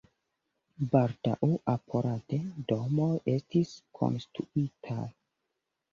Baldaŭ sporade domoj estis konstruitaj.